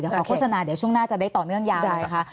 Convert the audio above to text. ขอโฆษณาเดี๋ยวช่วงหน้าจะได้ต่อเนื่องยาวนะคะ